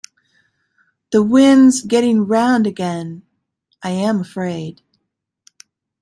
The wind's getting round again, I am afraid.